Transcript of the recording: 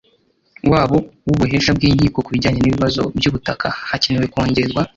Wabo w ubuhesha bw inkiko ku bijyanye n ibibazo by ubutaka hakenewe kongerwa